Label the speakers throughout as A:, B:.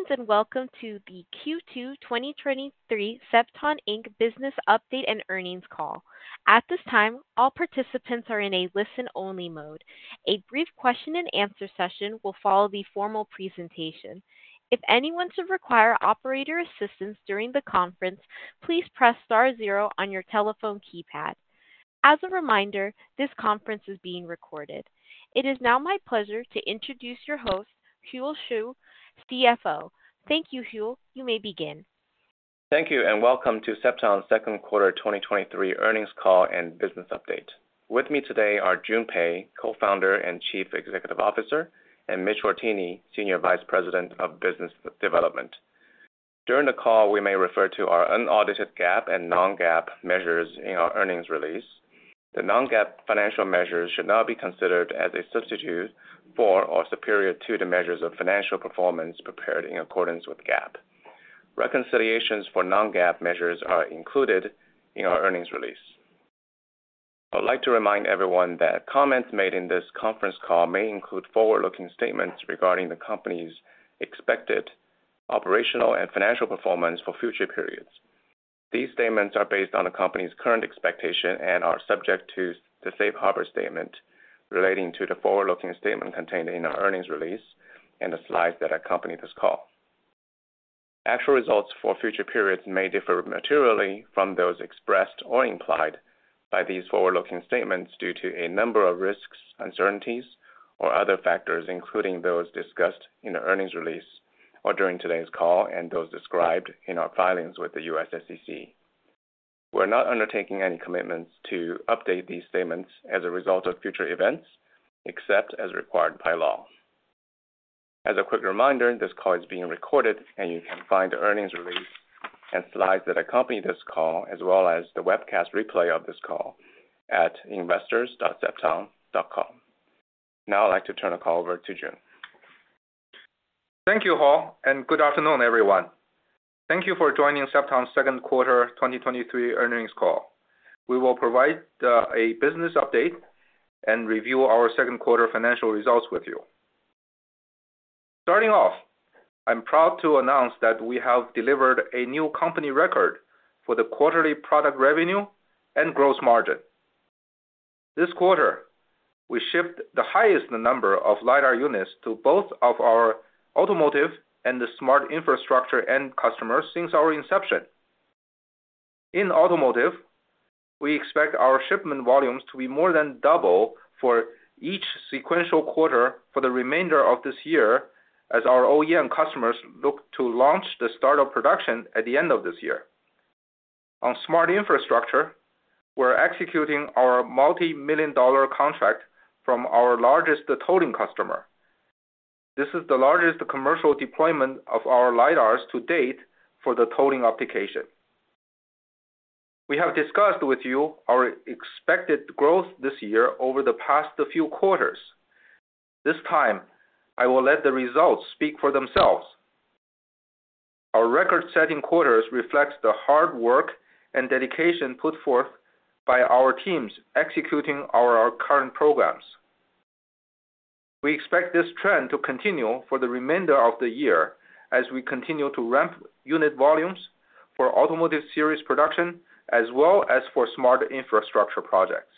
A: Greetings, welcome to the Q2 2023 Cepton Inc. Business Update and Earnings Call. At this time, all participants are in a listen-only mode. A brief question and answer session will follow the formal presentation. If anyone should require operator assistance during the conference, please press star zero on your telephone keypad. As a reminder, this conference is being recorded. It is now my pleasure to introduce your host, Hull Xu, CFO. Thank you, Hull. You may begin.
B: Thank you. Welcome to Cepton's second quarter 2023 earnings call and business update. With me today are Jun Pei, Co-founder and Chief Executive Officer, and Mitch Hourtienne, Senior Vice President of Business Development. During the call, we may refer to our unaudited GAAP and non-GAAP measures in our earnings release. The non-GAAP financial measures should not be considered as a substitute for or superior to the measures of financial performance prepared in accordance with GAAP. Reconciliations for non-GAAP measures are included in our earnings release. I would like to remind everyone that comments made in this conference call may include forward-looking statements regarding the company's expected operational and financial performance for future periods. These statements are based on the company's current expectation and are subject to the safe harbor statement relating to the forward-looking statement contained in our earnings release and the slides that accompany this call. Actual results for future periods may differ materially from those expressed or implied by these forward-looking statements due to a number of risks, uncertainties, or other factors, including those discussed in the earnings release or during today's call and those described in our filings with the U.S. SEC. We're not undertaking any commitments to update these statements as a result of future events, except as required by law. As a quick reminder, this call is being recorded, and you can find the earnings release and slides that accompany this call, as well as the webcast replay of this call, at investors.cepton.com. Now I'd like to turn the call over to Jun.
C: Thank you, Hull, and good afternoon, everyone. Thank you for joining Cepton's second quarter 2023 earnings call. We will provide a business update and review our second quarter financial results with you. Starting off, I'm proud to announce that we have delivered a new company record for the quarterly product revenue and gross margin. This quarter, we shipped the highest number of lidar units to both of our automotive and smart infrastructure end customers since our inception. In automotive, we expect our shipment volumes to be more than double for each sequential quarter for the remainder of this year, as our OEM customers look to launch the start of production at the end of this year. On smart infrastructure, we're executing our multi-million dollar contract from our largest tolling customer. This is the largest commercial deployment of our lidars to date for the tolling application. We have discussed with you our expected growth this year over the past few quarters. This time, I will let the results speak for themselves. Our record-setting quarters reflects the hard work and dedication put forth by our teams executing our current programs. We expect this trend to continue for the remainder of the year as we continue to ramp unit volumes for automotive series production, as well as for smart infrastructure projects.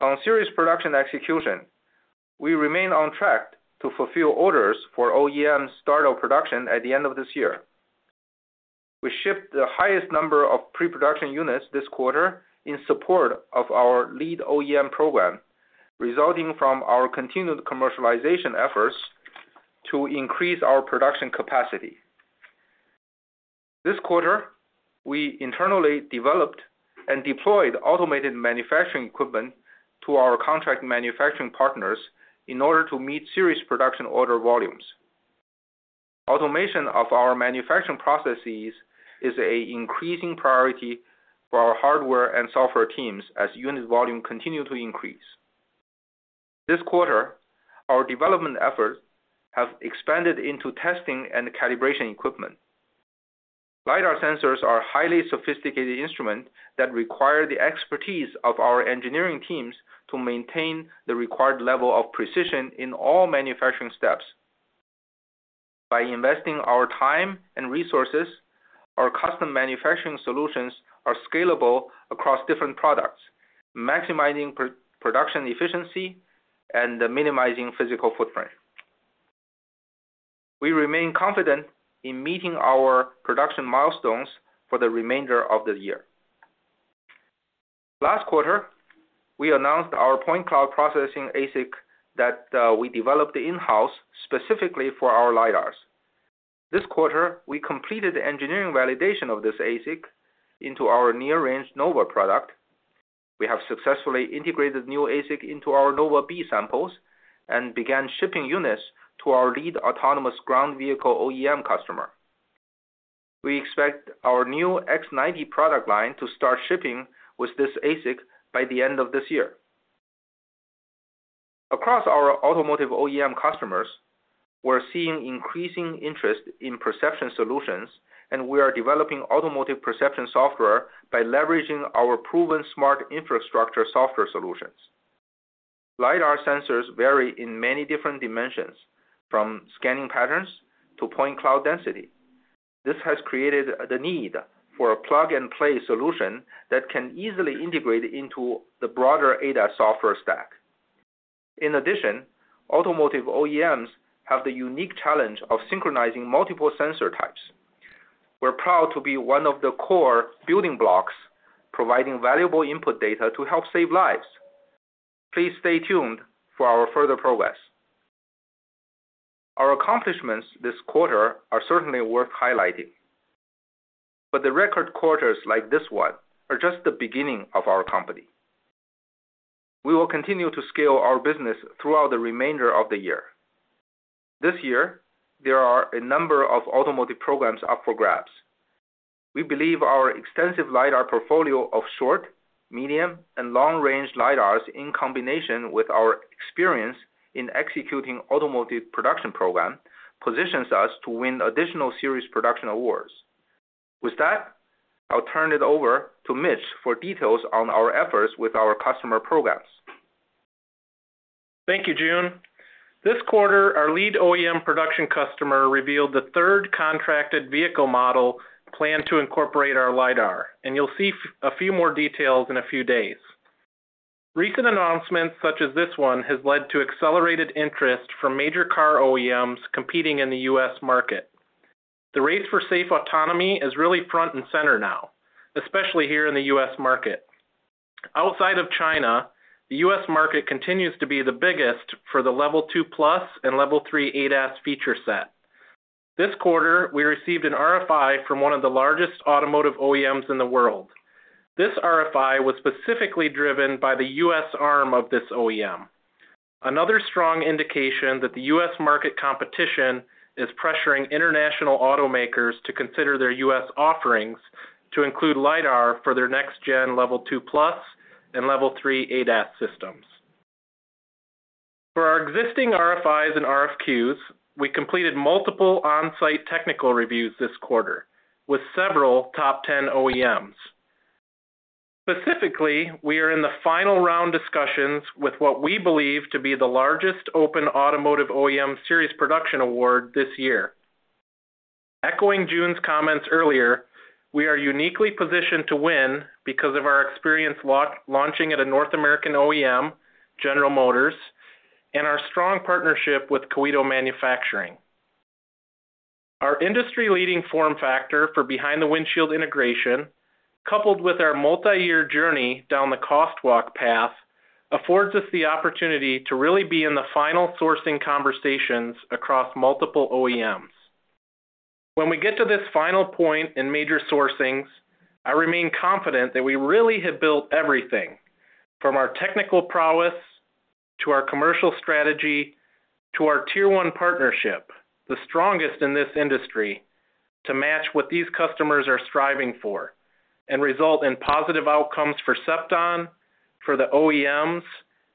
C: On series production execution, we remain on track to fulfill orders for OEM start of production at the end of this year. We shipped the highest number of pre-production units this quarter in support of our lead OEM program, resulting from our continued commercialization efforts to increase our production capacity. This quarter, we internally developed and deployed automated manufacturing equipment to our contract manufacturing partners in order to meet series production order volumes. Automation of our manufacturing processes is a increasing priority for our hardware and software teams as unit volume continue to increase. This quarter, our development efforts have expanded into testing and calibration equipment. lidar sensors are highly sophisticated instruments that require the expertise of our engineering teams to maintain the required level of precision in all manufacturing steps. By investing our time and resources, our custom manufacturing solutions are scalable across different products, maximizing pro-production efficiency and minimizing physical footprint. We remain confident in meeting our production milestones for the remainder of the year. Last quarter, we announced our point cloud processing ASIC that we developed in-house specifically for our lidars. This quarter, we completed the engineering validation of this ASIC into our near range Nova product. We have successfully integrated new ASIC into our Nova B samples and began shipping units to our lead autonomous ground vehicle OEM customer. We expect our new X90 product line to start shipping with this ASIC by the end of this year. Across our automotive OEM customers, we're seeing increasing interest in perception solutions, and we are developing automotive perception software by leveraging our proven smart infrastructure software solutions. lidar sensors vary in many different dimensions, from scanning patterns to point cloud density. This has created the need for a plug-and-play solution that can easily integrate into the broader ADAS software stack. In addition, automotive OEMs have the unique challenge of synchronizing multiple sensor types. We're proud to be one of the core building blocks, providing valuable input data to help save lives. Please stay tuned for our further progress. Our accomplishments this quarter are certainly worth highlighting, but the record quarters like this one are just the beginning of our company. We will continue to scale our business throughout the remainder of the year. This year, there are a number of automotive programs up for grabs. We believe our extensive lidar portfolio of short, medium, and long-range lidars, in combination with our experience in executing automotive production program, positions us to win additional series production awards. With that, I'll turn it over to Mitch for details on our efforts with our customer programs.
D: Thank you, Jun. This quarter, our lead OEM production customer revealed the third contracted vehicle model planned to incorporate our lidar. You'll see a few more details in a few days. Recent announcements, such as this one, has led to accelerated interest from major car OEMs competing in the U.S. market. The race for safe autonomy is really front and center now, especially here in the U.S. market. Outside of China, the U.S. market continues to be the biggest for the Level 2+ and Level three ADAS feature set. This quarter, we received an RFI from one of the largest automotive OEMs in the world. This RFI was specifically driven by the U.S. arm of this OEM. Another strong indication that the U.S. market competition is pressuring international automakers to consider their U.S. offerings, to include lidar for their next gen Level 2+ and Level three ADAS systems. For our existing RFIs and RFQs, we completed multiple on-site technical reviews this quarter with several top 10 OEMs. Specifically, we are in the final round discussions with what we believe to be the largest open automotive OEM series production award this year. Echoing Jun's comments earlier, we are uniquely positioned to win because of our experience launching at a North American OEM, General Motors, and our strong partnership with Koito Manufacturing. Our industry-leading form factor for behind-the-windshield integration, coupled with our multi-year journey down the cost walk path, affords us the opportunity to really be in the final sourcing conversations across multiple OEMs. When we get to this final point in major sourcings, I remain confident that we really have built everything from our technical prowess, to our commercial strategy, to our Tier one partnership, the strongest in this industry, to match what these customers are striving for and result in positive outcomes for Cepton, for the OEMs,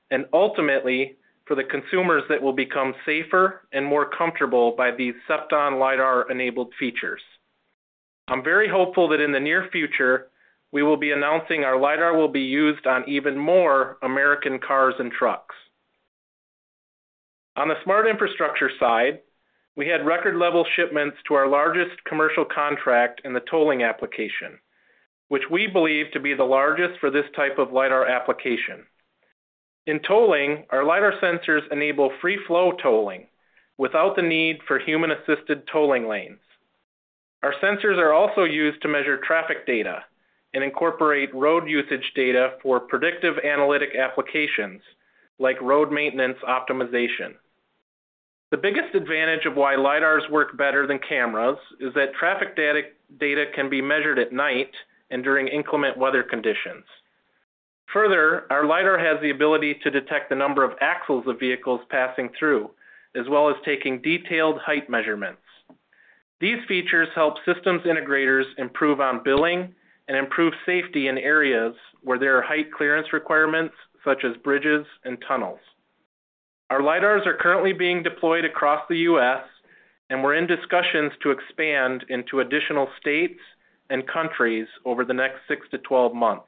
D: and ultimately for the consumers that will become safer and more comfortable by these Cepton lidar-enabled features. I'm very hopeful that in the near future, we will be announcing our lidar will be used on even more American cars and trucks. On the smart infrastructure side, we had record-level shipments to our largest commercial contract in the tolling application, which we believe to be the largest for this type of lidar application. In tolling, our lidar sensors enable free-flow tolling without the need for human-assisted tolling lanes. Our sensors are also used to measure traffic data and incorporate road usage data for predictive analytic applications, like road maintenance optimization. The biggest advantage of why lidars work better than cameras is that traffic data can be measured at night and during inclement weather conditions. Further, our lidar has the ability to detect the number of axles of vehicles passing through, as well as taking detailed height measurements. These features help systems integrators improve on billing and improve safety in areas where there are height clearance requirements, such as bridges and tunnels. Our lidars are currently being deployed across the U.S., and we're in discussions to expand into additional states and countries over the next six to 12 months.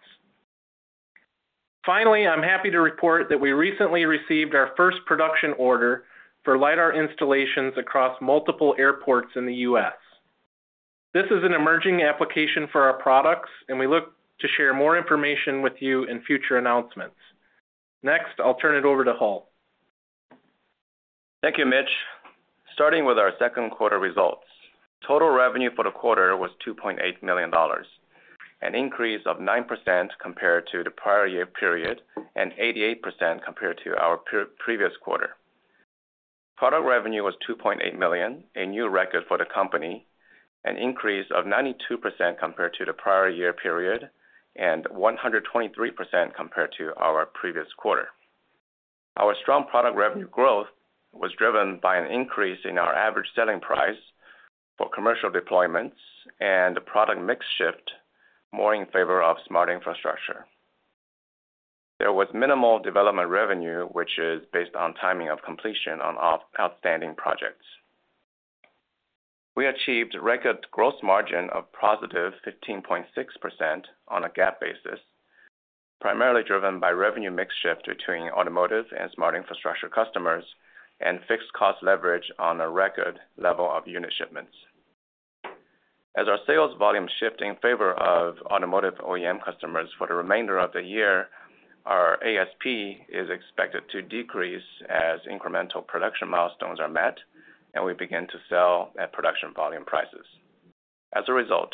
D: Finally, I'm happy to report that we recently received our first production order for lidar installations across multiple airports in the U.S. This is an emerging application for our products, and we look to share more information with you in future announcements. Next, I'll turn it over to Hull.
B: Thank you, Mitch. Starting with our second quarter results. Total revenue for the quarter was $2.8 million, an increase of 9% compared to the prior year period and 88% compared to our pre-previous quarter. Product revenue was $2.8 million, a new record for the company, an increase of 92% compared to the prior year period and 123% compared to our previous quarter. Our strong product revenue growth was driven by an increase in our average selling price for commercial deployments and the product mix shift more in favor of smart infrastructure. There was minimal development revenue, which is based on timing of completion on off- outstanding projects....We achieved record gross margin of +15.6% on a GAAP basis, primarily driven by revenue mix shift between automotive and smart infrastructure customers and fixed cost leverage on a record level of unit shipments. As our sales volume shift in favor of automotive OEM customers for the remainder of the year, our ASP is expected to decrease as incremental production milestones are met and we begin to sell at production volume prices. As a result,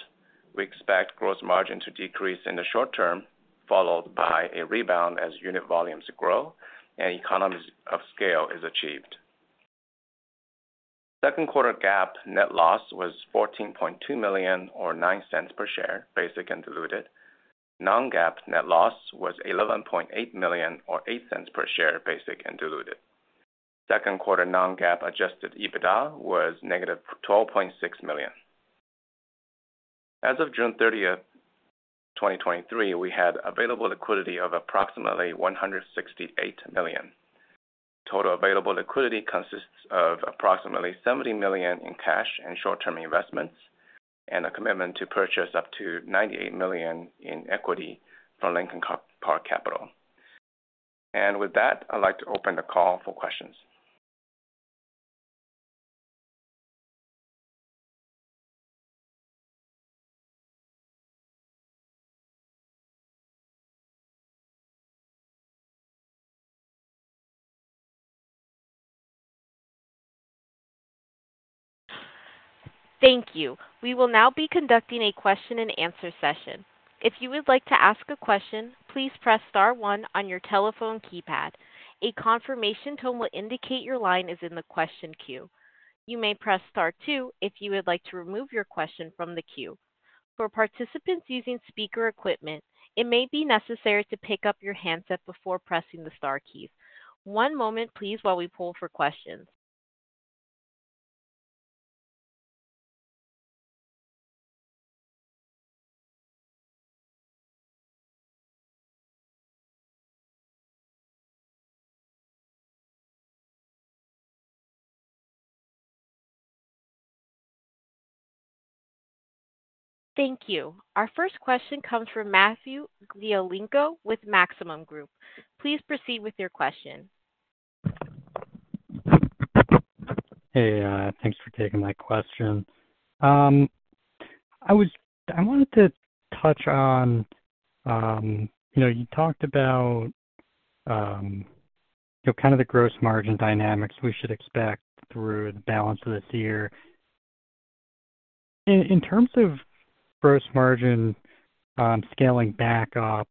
B: we expect gross margin to decrease in the short term, followed by a rebound as unit volumes grow and economies of scale is achieved. Second quarter GAAP net loss was $14.2 million, or $0.09 per share, basic and diluted. Non-GAAP net loss was $11.8 million or $0.08 per share, basic and diluted. Second quarter non-GAAP adjusted EBITDA was -$12.6 million. As of June 30th, 2023, we had available liquidity of approximately $168 million. Total available liquidity consists of approximately $70 million in cash and short-term investments, and a commitment to purchase up to $98 million in equity from Lincoln Park Capital. With that, I'd like to open the call for questions.
A: Thank you. We will now be conducting a question and answer session. If you would like to ask a question, please press star one on your telephone keypad. A confirmation tone will indicate your line is in the question queue. You may press star two if you would like to remove your question from the queue. For participants using speaker equipment, it may be necessary to pick up your handset before pressing the star keys. One moment, please, while we pull for questions. Thank you. Our first question comes from Matthew Galinko with Maxim Group. Please proceed with your question.
E: Hey, thanks for taking my question. I wanted to touch on, you know, you talked about, you know, kind of the gross margin dynamics we should expect through the balance of this year. In, in terms of gross margin, scaling back up,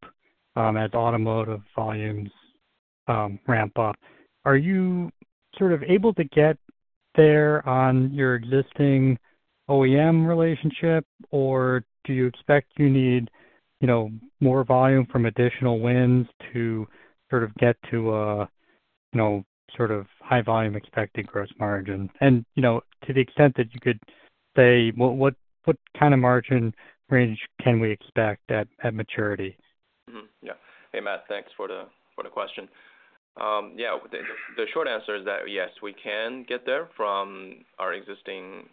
E: as automotive volumes ramp up, are you sort of able to get there on your existing OEM relationship? Or do you expect you need, you know, more volume from additional wins to sort of get to a, you know, sort of high volume, expected gross margin? You know, to the extent that you could say, what, what, what kind of margin range can we expect at, at maturity?
B: Yeah. Hey, Matt, thanks for the, for the question. Yeah, the, the short answer is that, yes, we can get there from our existing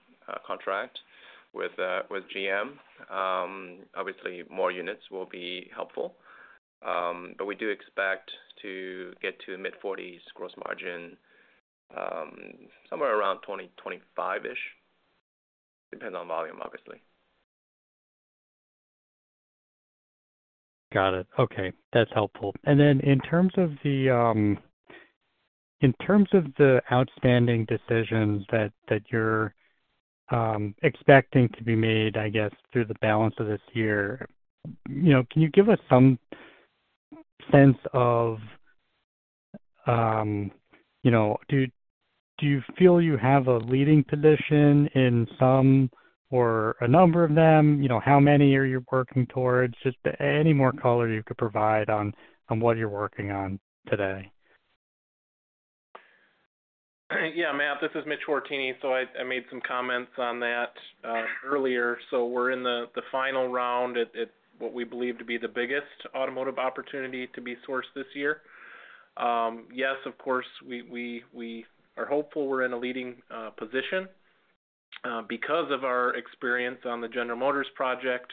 B: contract with GM. Obviously more units will be helpful, but we do expect to get to mid-40s gross margin somewhere around 2025-ish. Depends on volume, obviously.
E: Got it. Okay, that's helpful. Then in terms of the, in terms of the outstanding decisions that, that you're expecting to be made, I guess, through the balance of this year, you know, can you give us some sense of, you know, do, do you feel you have a leading position in some or a number of them? You know, how many are you working towards? Just any more color you could provide on, on what you're working on today.
D: Yeah, Matt, this is Mitch Hourtienne. I made some comments on that earlier. We're in the final round at what we believe to be the biggest automotive opportunity to be sourced this year. Yes, of course, we are hopeful we're in a leading position because of our experience on the General Motors project,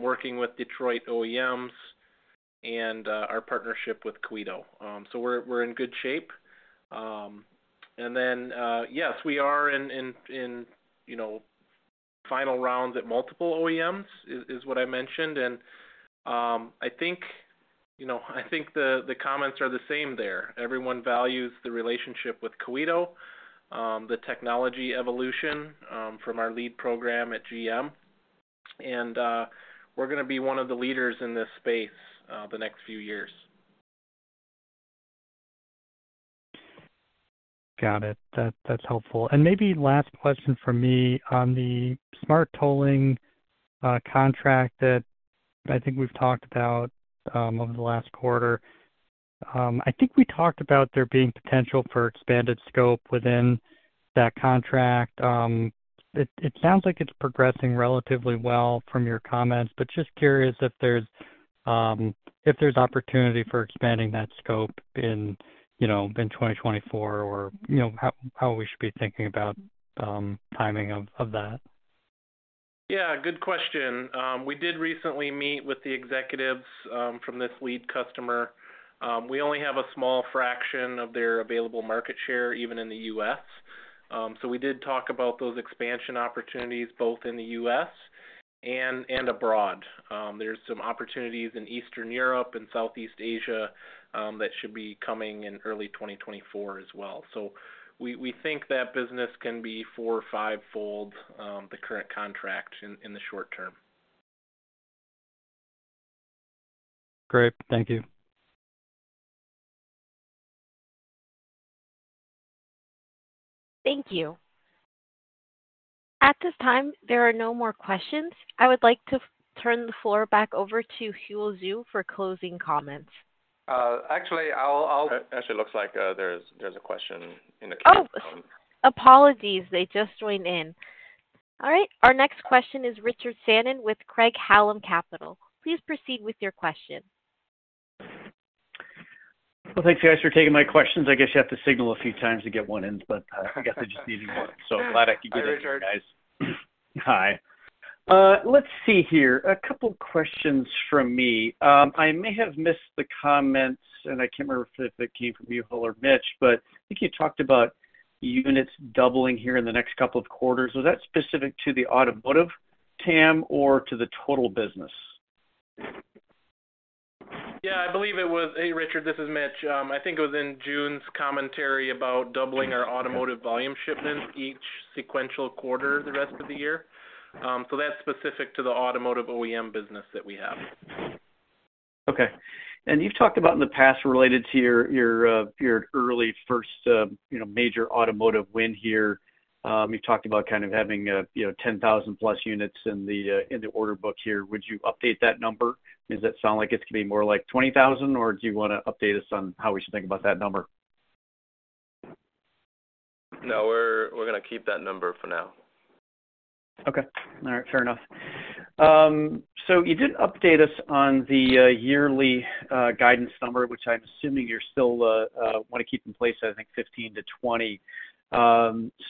D: working with Detroit OEMs and our partnership with Koito. We're in good shape. Yes, we are in, you know, final rounds at multiple OEMs, is what I mentioned. I think, you know, I think the comments are the same there. Everyone values the relationship with Koito, the technology evolution, from our lead program at GM, and we're gonna be one of the leaders in this space, the next few years.
E: Got it. That, that's helpful. Maybe last question from me. On the smart tolling contract that I think we've talked about over the last quarter. I think we talked about there being potential for expanded scope within that contract. It sounds like it's progressing relatively well from your comments, but just curious if there's opportunity for expanding that scope in, you know, in 2024 or, you know, how, how we should be thinking about timing of, of that?
D: Yeah, good question. We did recently meet with the executives from this lead customer. We only have a small fraction of their available market share, even in the U.S. We did talk about those expansion opportunities, both in the U.S. and abroad. There's some opportunities in Eastern Europe and Southeast Asia that should be coming in early 2024 as well. We, we think that business can be four-fold or five-fold the current contract in the short term.
E: Great. Thank you.
A: Thank you. At this time, there are no more questions. I would like to turn the floor back over to Hull Xu for closing comments.
B: Actually, actually, it looks like, there's, there's a question in the queue.
A: Oh, apologies. They just joined in. All right, our next question is Richard Shannon with Craig-Hallum Capital. Please proceed with your question.
F: Well, thanks, guys, for taking my questions. I guess you have to signal a few times to get one in, but, I guess I just needed more. Glad I could get in, guys. Hi, let's see here. A couple questions from me. I may have missed the comments, and I can't remember if it came from you or Mitch, but I think you talked about units doubling here in the next two quarters. Was that specific to the automotive TAM or to the total business?
D: Yeah, I believe it was. Hey, Richard, this is Mitch. I think it was in Jun's commentary about doubling our automotive volume shipments each sequential quarter the rest of the year. That's specific to the automotive OEM business that we have.
F: Okay. You've talked about in the past, related to your, your early first, you know, major automotive win here. You've talked about kind of having a, you know, 10,000+ units in the, in the order book here. Would you update that number? Does that sound like it's going to be more like 20,000, or do you want to update us on how we should think about that number?
B: No, we're, we're going to keep that number for now.
F: Okay. All right. Fair enough. You did update us on the yearly guidance number, which I'm assuming you're still want to keep in place. I think 15-20.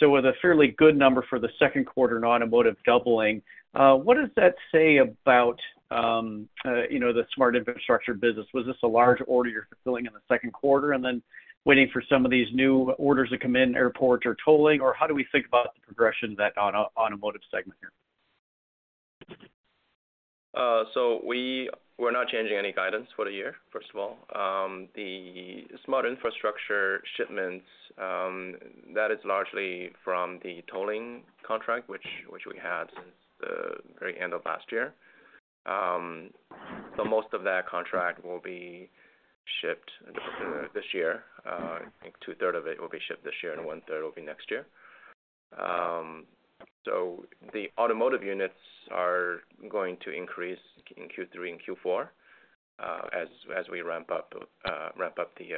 F: With a fairly good number for the second quarter in automotive doubling, what does that say about, you know, the smart infrastructure business? Was this a large order you're fulfilling in the second quarter and then waiting for some of these new orders to come in, airport or tolling, or how do we think about the progression of that on a automotive segment here?
B: We- we're not changing any guidance for the year, first of all. The smart infrastructure shipments, that is largely from the tolling contract, which, which we had since the very end of last year. Most of that contract will be shipped this year. I think 2/3 will be shipped this year, and 1/3 will be next year. The automotive units are going to increase in Q3 and Q4, as, as we ramp up, ramp up the,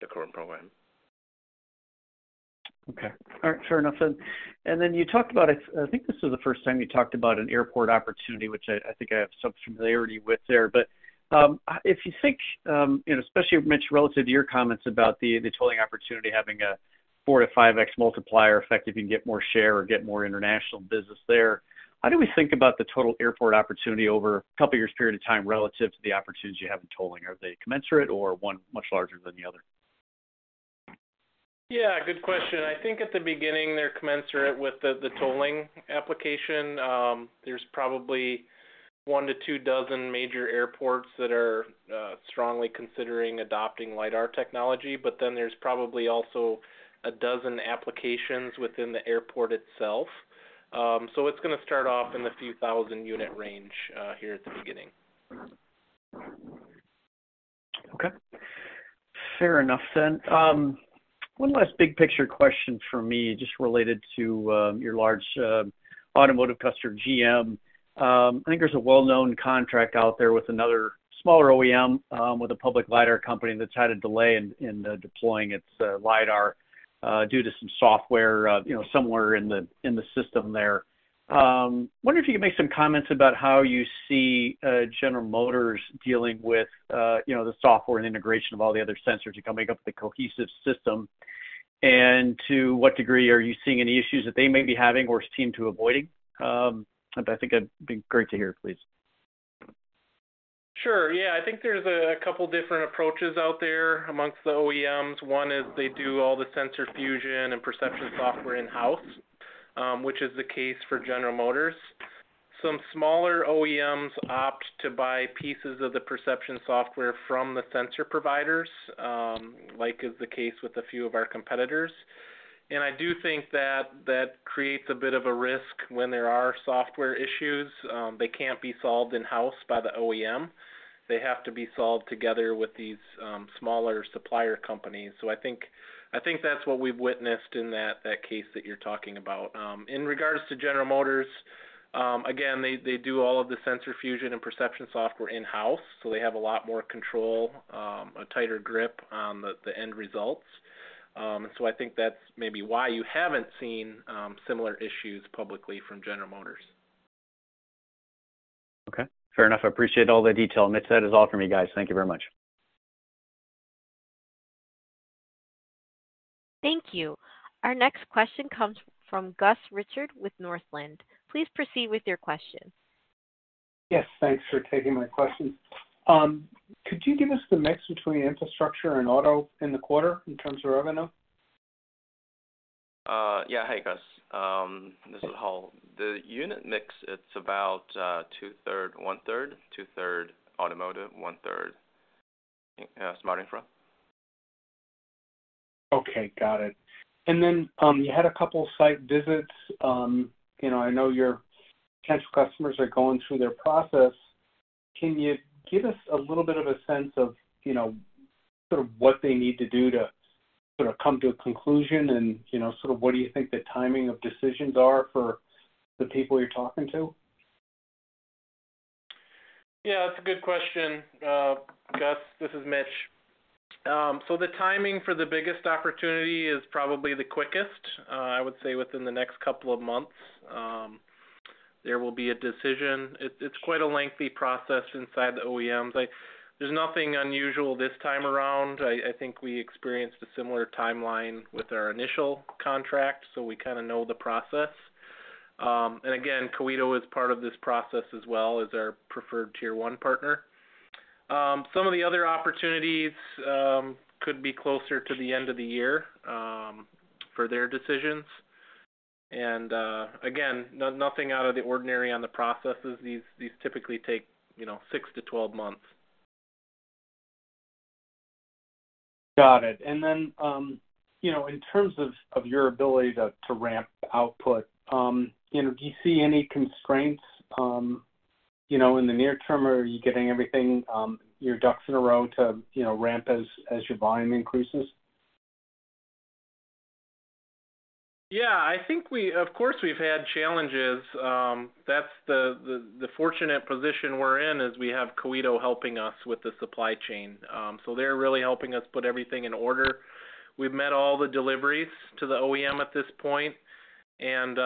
B: the current program.
F: Okay. All right, fair enough then. You talked about, I, I think this is the first time you talked about an airport opportunity, which I, I think I have some familiarity with there. If you think, you know, especially Mitch, relative to your comments about the tolling opportunity having a 4x-5x multiplier effect, if you can get more share or get more international business there, how do we think about the total airport opportunity over a couple years period of time relative to the opportunities you have in tolling? Are they commensurate or one much larger than the other?
D: Yeah, good question. I think at the beginning, they're commensurate with the, the tolling application. There's probably 12-24 major airports that are strongly considering adopting lidar technology, but then there's probably also 12 applications within the airport itself. It's going to start off in the few thousand unit range here at the beginning.
F: Okay. Fair enough then. One last big picture question for me, just related to, your large, automotive customer, GM. I think there's a well-known contract out there with another smaller OEM, with a public lidar company that's had a delay in, in, deploying its, lidar, due to some software, you know, somewhere in the, in the system there. Wonder if you could make some comments about how you see, General Motors dealing with, you know, the software and integration of all the other sensors to come make up the cohesive system? To what degree are you seeing any issues that they may be having or seem to avoiding? I think it'd be great to hear, please.
D: Sure. Yeah. I think there's a couple different approaches out there amongst the OEMs. One is they do all the sensor fusion and perception software in-house, which is the case for General Motors. Some smaller OEMs opt to buy pieces of the perception software from the sensor providers, like is the case with a few of our competitors. I do think that that creates a bit of a risk when there are software issues, they can't be solved in-house by the OEM. They have to be solved together with these smaller supplier companies. I think, I think that's what we've witnessed in that, that case that you're talking about. In regards to General Motors, again, they, they do all of the sensor fusion and perception software in-house, so they have a lot more control, a tighter grip on the, the end results. I think that's maybe why you haven't seen similar issues publicly from General Motors.
F: Okay, fair enough. I appreciate all the detail, Mitch. That is all for me, guys. Thank you very much.
A: Thank you. Our next question comes from Gus Richard with Northland. Please proceed with your question.
G: Yes, thanks for taking my question. Could you give us the mix between infrastructure and auto in the quarter in terms of revenue?
B: Yeah. Hey, Gus, this is Hull. The unit mix, it's about 2/3, 1/3, 2/3 automotive, 1/3 smart infra.
G: Okay, got it. You had a couple of site visits. You know, I know your potential customers are going through their process. Can you give us a little bit of a sense of, you know, sort of what they need to do to sort of come to a conclusion and, you know, sort of what do you think the timing of decisions are for the people you're talking to?
D: Yeah, that's a good question, Gus. This is Mitch. The timing for the biggest opportunity is probably the quickest. I would say within the next two months, there will be a decision. It, it's quite a lengthy process inside the OEMs. Like, there's nothing unusual this time around. I, I think we experienced a similar timeline with our initial contract, so we kind of know the process. Again, Koito is part of this process as well as our preferred Tier one partner. Some of the other opportunities could be closer to the end of the year for their decisions. Again, no- nothing out of the ordinary on the processes. These, these typically take, you know, six to 12 months.
G: Got it. Then, you know, in terms of, of your ability to, to ramp output, you know, do you see any constraints, you know, in the near term, or are you getting everything, your ducks in a row to, you know, ramp as, as your volume increases?
D: Yeah, I think we... Of course, we've had challenges. That's the, the, the fortunate position we're in, is we have Koito helping us with the supply chain. They're really helping us put everything in order. We've met all the deliveries to the OEM at this point, and,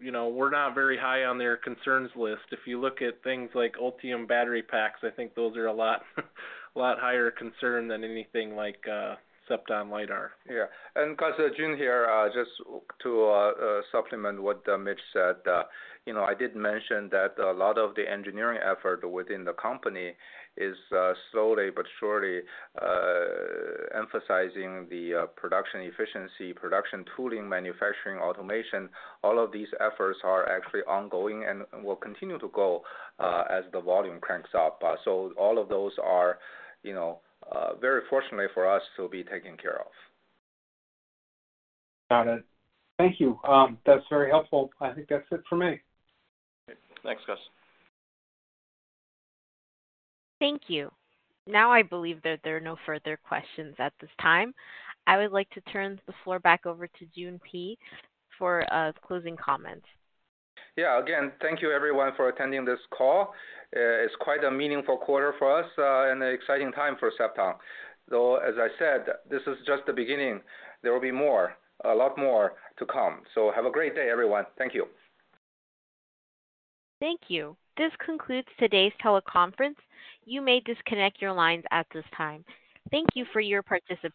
D: you know, we're not very high on their concerns list. If you look at things like Ultium battery packs, I think those are a lot, a lot higher concern than anything like Cepton lidar.
C: Yeah, Gus, Jun here, just to supplement what Mitch said, you know, I did mention that a lot of the engineering effort within the company is slowly but surely emphasizing the production efficiency, production tooling, manufacturing, automation. All of these efforts are actually ongoing and will continue to go as the volume cranks up. All of those are, you know, very fortunately for us to be taken care of.
G: Got it. Thank you. That's very helpful. I think that's it for me.
B: Thanks, Gus.
A: Thank you. I believe that there are no further questions at this time. I would like to turn the floor back over to Jun Pei for closing comments.
C: Yeah, again, thank you everyone for attending this call. It's quite a meaningful quarter for us, and an exciting time for Cepton, though, as I said, this is just the beginning. There will be more, a lot more to come. Have a great day, everyone. Thank you.
A: Thank you. This concludes today's teleconference. You may disconnect your lines at this time. Thank you for your participation.